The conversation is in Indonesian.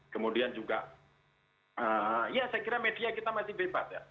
kemudian juga ya saya kira media kita masih bebas ya